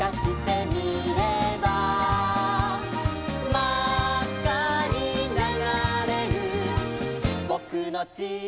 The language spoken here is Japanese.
「まっかにながれるぼくのちしお」